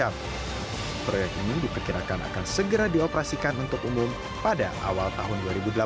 proyek ini diperkirakan akan segera dioperasikan untuk umum pada awal tahun dua ribu delapan belas